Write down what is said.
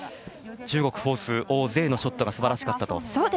中国、フォース王ぜいのショットがすばらしかったと。